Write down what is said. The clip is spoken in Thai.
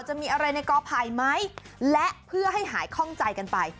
จะมีอะไรในกอไผ่ไหมและเพื่อให้หายคล่องใจกันไป